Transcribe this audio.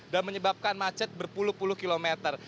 dan menyebabkan macet berpuluh puluh kilometer